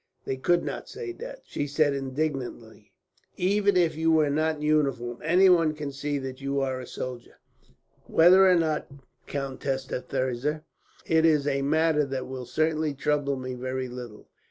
'" "They could not say that," she said indignantly. "Even if you were not in uniform, anyone can see that you are a soldier." "Whether or not, Countess Thirza, it is a matter that will certainly trouble me very little.